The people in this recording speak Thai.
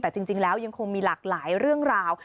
แต่จริงแล้วยังคงมีหลากหลายเรื่องราว